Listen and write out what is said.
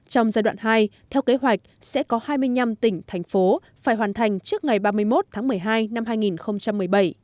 trong giai đoạn hai theo kế hoạch sẽ có hai mươi năm tỉnh thành phố phải hoàn thành trước ngày ba mươi một tháng một mươi hai năm hai nghìn một mươi bảy